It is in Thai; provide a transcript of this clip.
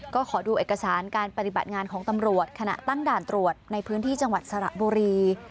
ก็ขอดูเอกสารการปฏิบัติงานของตำรวจขณะตั้งด่านตรวจในพื้นที่จังหวัดสระบุรี